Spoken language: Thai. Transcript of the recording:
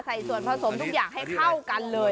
ใส่ส่วนผสมทุกอย่างให้เข้ากันเลย